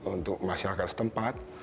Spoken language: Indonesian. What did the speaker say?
untuk masyarakat setempat